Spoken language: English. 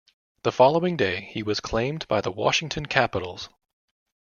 The following day, he was claimed by the Washington Capitals.